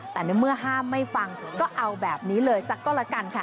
แต่ในเมื่อห้ามไม่ฟังก็เอาแบบนี้เลยสักก็ละกันค่ะ